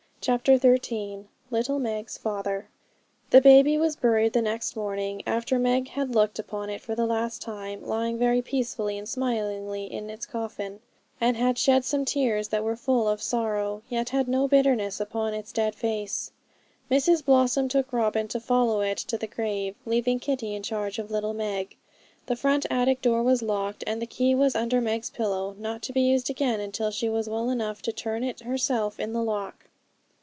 CHAPTER XIII Little Meg's Father The baby was buried the next morning, after Meg had looked upon it for the last time lying very peacefully and smilingly in its little coffin, and had shed some tears that were full of sorrow yet had no bitterness upon its dead face. Mrs Blossom took Robin to follow it to the grave, leaving Kitty in charge of little Meg. The front attic door was locked, and the key was under Meg's pillow, not to be used again until she was well enough to turn it herself in the lock.